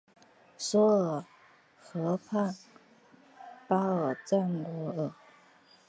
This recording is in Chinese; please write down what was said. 索尔河畔巴尔赞库尔。